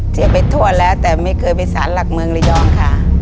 เสียไปทั่วแล้วแต่ไม่เคยไปสารหลักเมืองระยองค่ะ